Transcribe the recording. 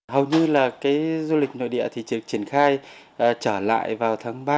hầu như là cái du lịch nội địa thì chỉ triển khai trở lại vào tháng ba